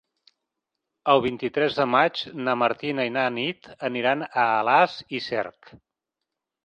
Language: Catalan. El vint-i-tres de maig na Martina i na Nit aniran a Alàs i Cerc.